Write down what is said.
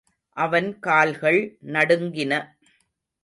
அவன் கால்கள் நடுங்கின.